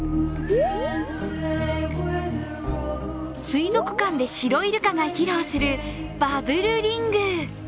水族館でシロイルカが披露するバブルリング。